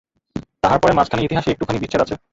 তাহার পরে মাঝখানে ইতিহাসে একটুখানি বিচ্ছেদ আছে।